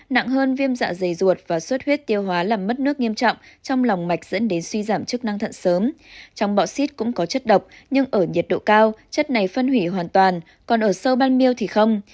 nặng hơn viêm dạ dày ruột và suốt huyết tiêu hóa làm mất nước nghiêm trọng trong lòng mạch dẫn đến suy giảm chức năng thận sớm trong bọ xít cũng có chất độc nhưng ở nhiệt độ cao chất này phân hủy hoàn toàn còn ở sâu ban miêu thì không